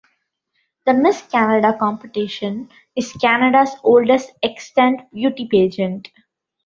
The Miss Canada competition is Canada's oldest extant beauty pageant.